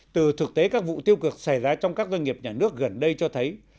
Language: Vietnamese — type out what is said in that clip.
từ thực tế các vụ tiêu cực xảy ra trong các doanh nghiệp nhà nước gần đây cho thấy